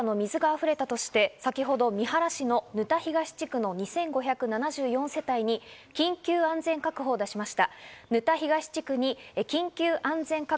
雨が降り続く広島県ですが、天井川の水が溢れたとして、先ほど三原市の沼田東地区の２５７４世帯に緊急安全確保を出しました。